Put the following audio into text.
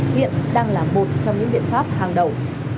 hiện đang là một trong những biện pháp hàng đầu